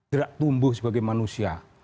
tidak tumbuh sebagai manusia